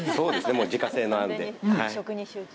自家製のあんで。